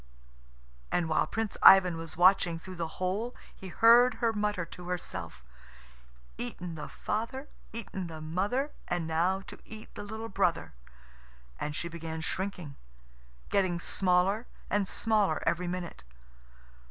And while Prince Ivan was watching through the hole he heard her mutter to herself, "Eaten the father, eaten the mother, And now to eat the little brother" And she began shrinking, getting smaller and smaller every minute.